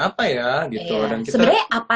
apa ya sebenarnya apa